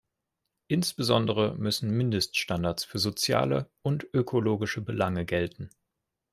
Insbesondere müssen Mindeststandards für soziale und ökologische Belange gelten.